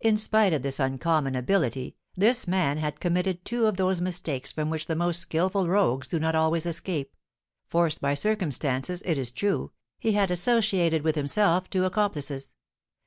In spite of his uncommon ability, this man had committed two of those mistakes from which the most skilful rogues do not always escape; forced by circumstances, it is true, he had associated with himself two accomplices.